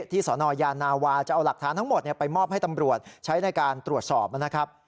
สนยานาวาจะเอาหลักฐานทั้งหมดไปมอบให้ตำรวจใช้ในการตรวจสอบนะครับ